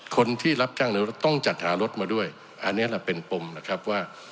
คนที่รับจ้างในรถต้องจัดหารถมาด้วยอันนี้แหละเป็นปมนะครับว่า